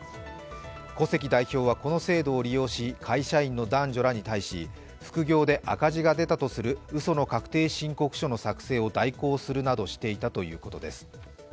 古関代表はこの制度を利用し会社員の男女らに対し副業で赤字が出たとするうその確定申告書の作成を代行するなどしていたということです。